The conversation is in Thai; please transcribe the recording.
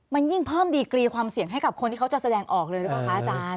มันยิ่งเพิ่มดีกรีความเสี่ยงให้กับคนที่เขาจะแสดงออกเลยหรือเปล่าคะอาจารย์